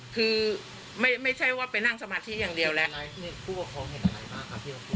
คือไม่ไม่ใช่ว่าไปนั่งสมาธิอย่างเดียวแหละนี่พูดว่าเค้าเห็นอะไรบ้างค่ะ